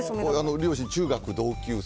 両親、中学同級生。